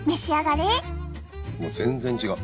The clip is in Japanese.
もう全然違う。